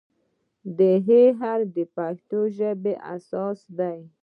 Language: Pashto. د "ه" حرف د ژبې اساس دی.